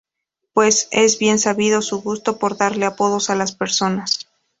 Pues es bien sabido su gusto por darle apodos a las personas.